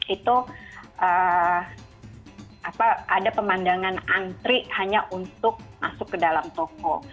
itu ada pemandangan antri hanya untuk masuk ke dalam toko